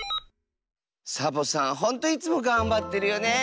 サボさんほんといつもがんばってるよねえ。